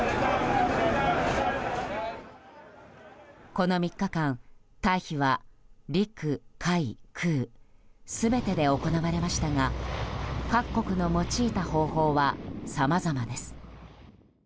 この３日間、退避は陸海空全てで行われましたが各国の用いた方法はさまざまです。